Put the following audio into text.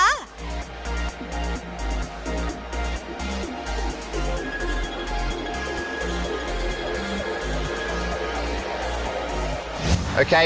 แล้วขึ้น